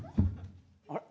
あれ？